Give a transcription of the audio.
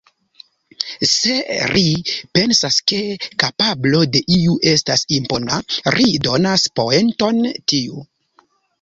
Se ri pensas ke kapablo de iu estas impona, ri donas poenton tiu.